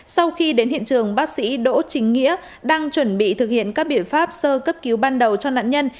sau khi đến hiện trường bác sĩ đỗ chính nghĩa đang chuẩn bị thực hiện các biện pháp sơ cấp cứu ban đầu cho nạn nhân